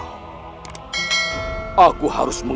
gak tahu namanya